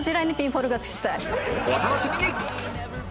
お楽しみに！